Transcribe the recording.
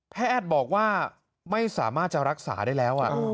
แพทย์บอกว่าไม่สามารถจะรักษาได้แล้ว